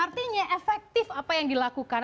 artinya efektif apa yang dilakukan